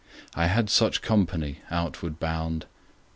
I had such company outward bound.